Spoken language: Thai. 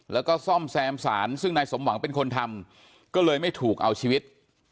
แล้วก็ซ่อมแซมสารซึ่งนายสมหวังเป็นคนทำก็เลยไม่ถูกเอาชีวิต